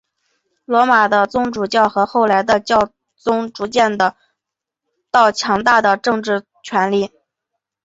罗马的宗主教和后来的教宗逐渐得到强大的政治权力。